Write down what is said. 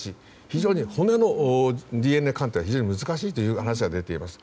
非常に骨のＤＮＡ鑑定は難しいという話が出ています。